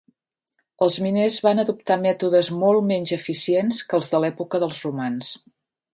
Els miners van adoptar mètodes molt menys eficients que els de l'època dels romans.